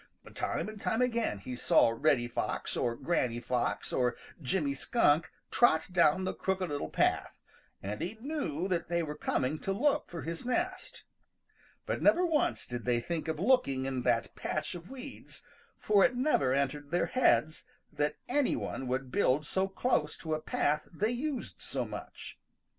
Time and time again he saw Reddy Fox or Granny Fox or Jimmy Skunk trot down the Crooked Little Path and he knew that they were coming to look for his nest. But never once did they think of looking in that patch of weeds, for it never entered their heads that any one would build so close to a path they used so much.